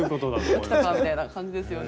おおきたかみたいな感じですよね。